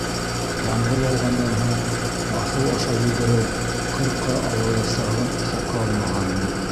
Ямғыр яуғандан һуң баҫыу аша йүгереү ҡырҡа ауыраясағын иҫәпкә алмағанмын.